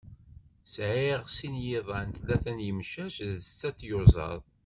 Sεiɣ sin yiḍan, tlata n yimcac d setta tyuzaḍ.